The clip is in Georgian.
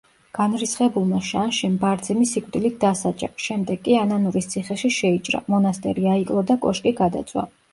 განრისხებულმა შანშემ ბარძიმი სიკვდილით დასაჯა, შემდეგ ანანურის ციხეში შეიჭრა, მონასტერი აიკლო და კოშკი გადაწვა.